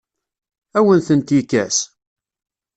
Ad awen-tent-yekkes?